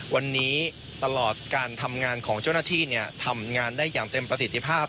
วันนี้ตลอดการทำงานของเจ้าหน้าที่ทำงานได้อย่างเต็มประสิทธิภาพ